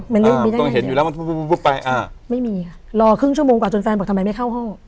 มันเริ่มมีการเห็นอยู่แล้วมันวุบไปอ่าไม่มีค่ะรอครึ่งชั่วโมงกว่าจนแฟนบอกทำไมไม่เข้าห้อง